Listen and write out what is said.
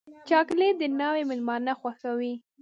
چاکلېټ د ناوې مېلمانه خوښوي.